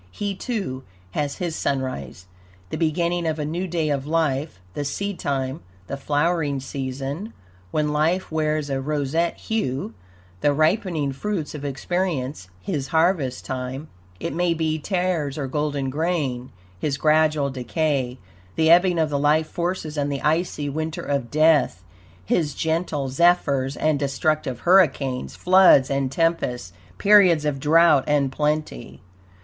He, too, has his sunrise, the beginning of a new day of life, the seedtime, the flowering season, when life wears a roseate hue; the ripening fruits of experience, his harvest time it may be tares or golden grain; his gradual decay, the ebbing of the life forces and the icy winter of death; his gentle zephyrs and destructive hurricanes, floods and tempests, periods of drought and plenty.